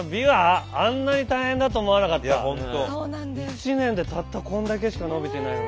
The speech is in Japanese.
１年でたったこれだけしか伸びてないの。